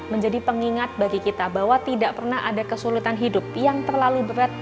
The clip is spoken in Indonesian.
menjadi pengingat bagi kita bahwa tidak pernah ada kesulitan hidup yang terlalu berat